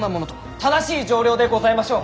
正しい丈量でございましょう。